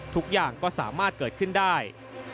ทุกอย่างก็สามารถเกิดขึ้นได้